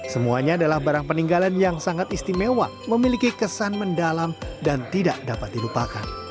semuanya adalah barang peninggalan yang sangat istimewa memiliki kesan mendalam dan tidak dapat dilupakan